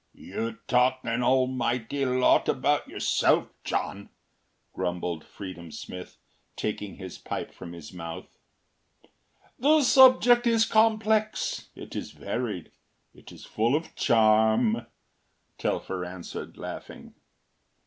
” “You talk an almighty lot about yourself, John,” grumbled Freedom Smith, taking his pipe from his mouth. “The subject is complex, it is varied, it is full of charm,” Telfer answered, laughing.